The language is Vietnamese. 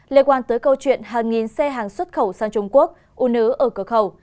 liên quan tới câu chuyện hàng nghìn xe hàng xuất khẩu sang trung quốc u nứ ở cửa khẩu